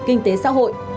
kinh tế xã hội